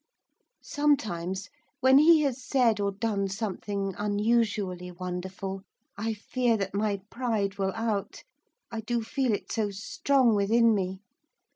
Sometimes, when he has said or done something unusually wonderful, I fear that my pride will out, I do feel it so strong within me.